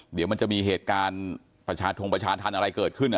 เดี๋ยวมันจะมีเหตุการณ์ประชาธงประชาธรรมอะไรเกิดขึ้น